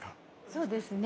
そうですね